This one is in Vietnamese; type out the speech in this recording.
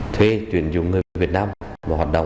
thuê chuyển dụng người việt nam vào hoạt động